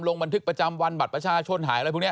ลงบันทึกประจำวันบัตรประชาชนหายอะไรพวกนี้